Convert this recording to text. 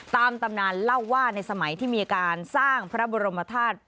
ตำนานเล่าว่าในสมัยที่มีอาการสร้างพระบรมธาตุ